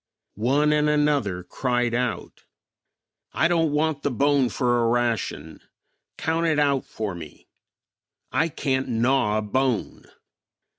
One and another cried out, "I don't want the bone for a ration." "Count it out for me." "I can't gnaw a bone."